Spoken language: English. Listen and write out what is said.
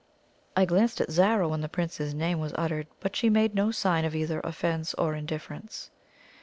I glanced at Zara when the Prince's name was uttered, but she made no sign of either offence or indifference.